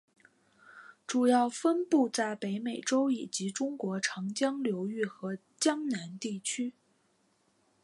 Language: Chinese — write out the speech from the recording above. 主要分布在北美洲以及中国长江流域和江南地区。